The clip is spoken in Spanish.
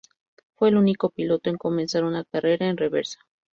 Fue el único piloto en comenzar una carrera en reversa.